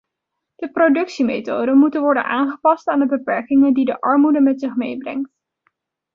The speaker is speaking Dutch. De productiemethoden moeten worden aangepast aan de beperkingen die de armoede met zich meebrengt.